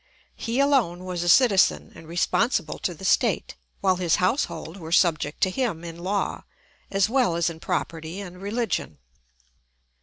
He alone was a citizen and responsible to the state, while his household were subject to him in law, as well as in property and religion.